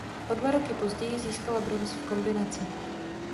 O dva roky později získala bronz v kombinaci.